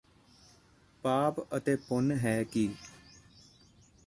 ਪਾਪ ਅਤੇ ਪੁੰਨ ਹੈ ਕੀ